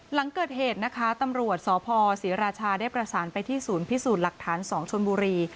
หลังเกิดเหตุนะคะตำรวจสพศรีราชาได้ประสานไปที่ศูนย์พิสูจน์หลักฐาน๒ชนบุรี